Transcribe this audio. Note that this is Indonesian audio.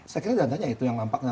saya kira dandanya itu yang lampaknya